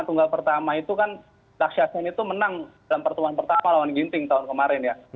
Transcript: tunggal pertama itu kan dakshasen itu menang dalam pertemuan pertama lawan ginting tahun kemarin ya